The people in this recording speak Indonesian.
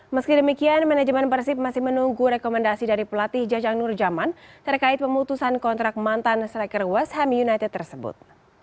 meski demikian manajemen persib masih menunggu rekomendasi dari pelatih jajang nurjaman terkait pemutusan kontrak mantan striker west ham united tersebut